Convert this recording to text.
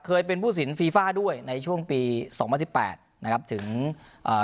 เคยเป็นผู้สินฟีฟ่าด้วยในช่วงปีสองพันสิบแปดนะครับถึงเอ่อ